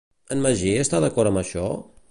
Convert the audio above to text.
En Magí està d'acord amb això?